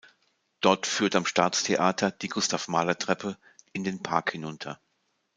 Dort führt am Staatstheater die "Gustav-Mahler-Treppe" in den Park hinunter.